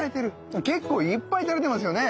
結構いっぱい垂れてますよね。